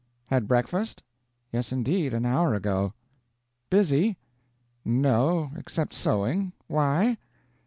"Had breakfast?" "Yes, indeed, an hour ago." "Busy?" "No except sewing. Why?"